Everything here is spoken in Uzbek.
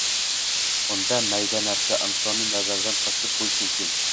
unda «mayda» narsa — Insonni nazardan qochirib qo‘yish mumkin.